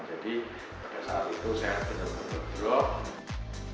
jadi pada saat itu saya benar benar drop